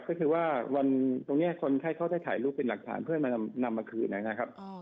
ก็คือว่าวันตรงนี้คนไข้เขาได้ถ่ายรูปเป็นหลักฐานเพื่อมานำมาคืนนะครับ